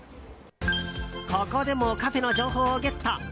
ここでもカフェの情報をゲット。